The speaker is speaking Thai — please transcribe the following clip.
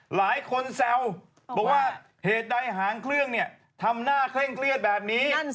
แซวบอกว่าเหตุใดหางเครื่องเนี่ยทำหน้าเคร่งเครียดแบบนี้